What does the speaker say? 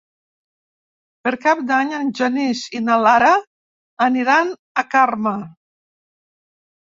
Per Cap d'Any en Genís i na Lara aniran a Carme.